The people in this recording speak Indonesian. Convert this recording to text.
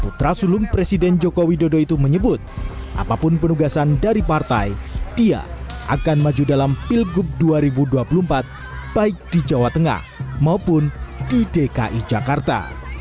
putra sulung presiden joko widodo itu menyebut apapun penugasan dari partai dia akan maju dalam pilgub dua ribu dua puluh empat baik di jawa tengah maupun di dki jakarta